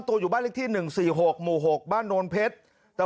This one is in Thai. ตัวอยู่บ้านเลขที่หนึ่งสี่หกหมู่หกบ้านโนนเพชรตะ